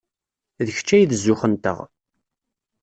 D kečč ay d zzux-nteɣ.